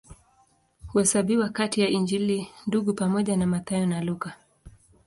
Huhesabiwa kati ya Injili Ndugu pamoja na Mathayo na Luka.